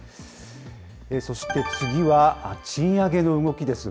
そして、次は賃上げの動きです。